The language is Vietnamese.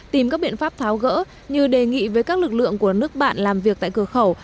tìm các biện pháp tháo gỡ như đề nghị với các lực lượng của nước bạn làm việc tại cửa khẩu